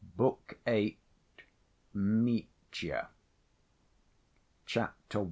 Book VIII. Mitya Chapter I.